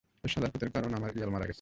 এই শালারপুতের কারন, আমার ইয়াল মারা গেছে।